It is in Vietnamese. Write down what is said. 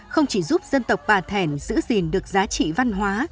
không chỉ giúp dân tộc bà thẻn giữ gìn được giá trị văn hóa